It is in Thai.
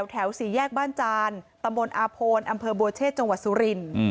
แถวสี่แยกบ้านจานตำบลอาโพนอำเภอบัวเชษจังหวัดสุรินทร์